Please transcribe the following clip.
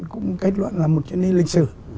cũng kết luận là một chuyến đi lịch sử